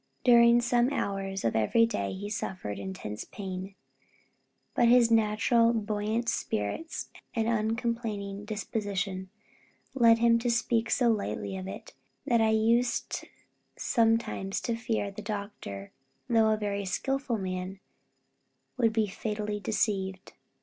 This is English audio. During some hours of every day he suffered intense pain; but his naturally buoyant spirits and uncomplaining disposition led him to speak so lightly of it, that I used sometimes to fear the doctor, though a very skilful man, would be fatally deceived.